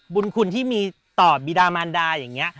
บุญคุณที่มีต่อบีดามันดาอย่างนี้